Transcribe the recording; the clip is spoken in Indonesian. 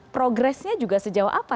progresnya juga sejauh apa